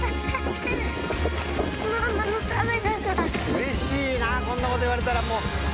うれしいなこんなこと言われたらもう。